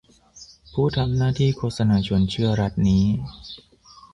ผู้ทำหน้าที่โฆษณาชวนเชื่อรัฐนี้